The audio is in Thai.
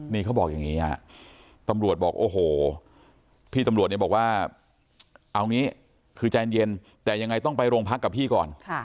นี่เขาบอกอย่างนี้ฮะตำรวจบอกโอ้โหพี่ตำรวจเนี่ยบอกว่าเอางี้คือใจเย็นแต่ยังไงต้องไปโรงพักกับพี่ก่อน